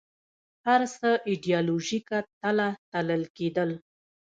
هر څه ایدیالوژیکه تله تلل کېدل